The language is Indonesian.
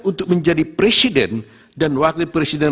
untuk menjadi presiden dan wakil presiden